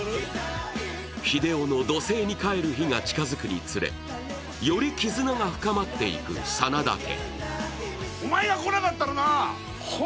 日出男の土星に帰る日が近づくにつれより絆が深まっていく真田家。